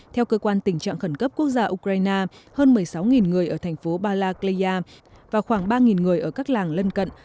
theo cơ quan tình trạng khẩn cấp quốc gia ukraine hơn một mươi sáu người ở thành phố bala cleya và khoảng ba người ở các làng lân cận